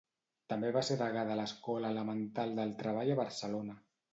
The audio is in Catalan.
També va ser degà de l'Escola Elemental del Treball a Barcelona.